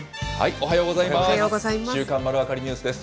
おはようございます。